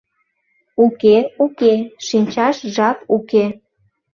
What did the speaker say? Уке, уке, шинчаш жап уке.